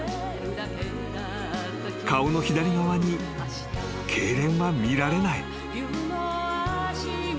［顔の左側にけいれんは見られない］